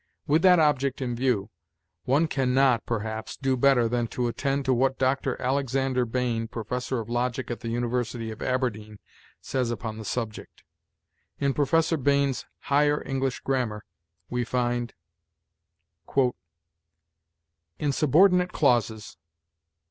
With that object in view, one can not, perhaps, do better than to attend to what Dr. Alexander Bain, Professor of Logic in the University of Aberdeen, says upon the subject. In Professor Bain's "Higher English Grammar" we find: "In subordinate clauses.